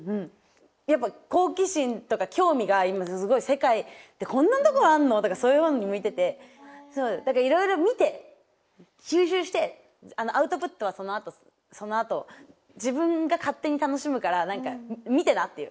やっぱ好奇心とか興味が今すごい「世界ってこんなところあるの？」とかそういうほうに向いててだからいろいろ見て吸収してアウトプットはそのあとそのあと自分が勝手に楽しむから何か見てなっていう。